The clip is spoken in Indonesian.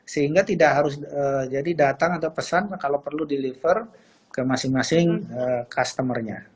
sehingga tidak harus jadi datang atau pesan kalau perlu deliver ke masing masing customer nya